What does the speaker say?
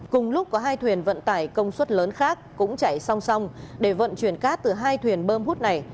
cùng lúc có hai thuyền vận tải công suất lớn khác cũng chạy song song để vận chuyển cát từ hai thuyền bơm hút này